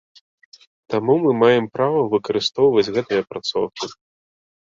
Таму мы маем права выкарыстоўваць гэтыя апрацоўкі.